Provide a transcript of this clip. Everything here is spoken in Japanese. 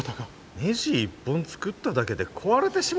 ねじ１本作っただけで壊れてしもた？